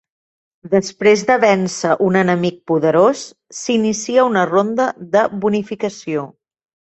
Després de vèncer un enemic poderós, s'inicia una ronda de bonificació.